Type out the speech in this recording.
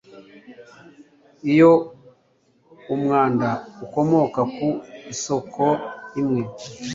Iyo umwanda ukomoka ku isoko imwe,